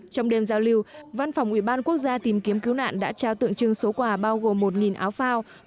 trong đêm giao lưu văn phòng ủy ban quốc gia tìm kiếm cứu nạn đã trao tượng trưng số quà bao gồm một áo phao